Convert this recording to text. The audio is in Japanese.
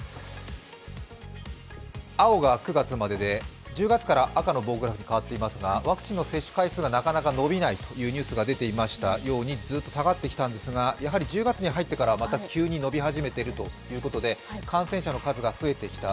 青が９月までで、１０月から赤の報告が上がっていますが、ワクチンの接種回数がなかなか伸びないというニュースが出ていましたようにずっと下がってきたんですが、１０月に入ってから急に伸び始めているということで感染者の数が増えてきた。